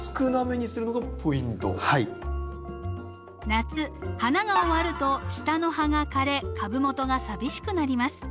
夏花が終わると下の葉が枯れ株元が寂しくなります。